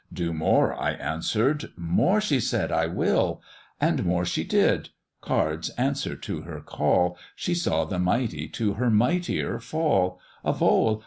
'Do more,' I answer'd 'More,' she said, 'I will;' And more she did cards answer'd to her call, She saw the mighty to her mightier fall: 'A vole!